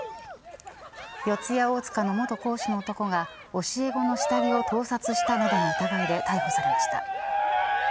四谷大塚の元講師の男が教え子の下着を盗撮したなどの疑いで逮捕されました。